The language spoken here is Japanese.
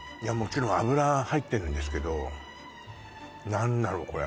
もちろん脂は入ってるんですけど何だろう